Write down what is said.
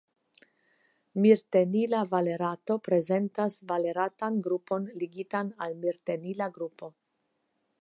Mirtenila valerato prezentas valeratan grupon ligitan al mirtenila grupo.